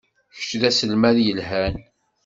Kečč d aselmad yelhan.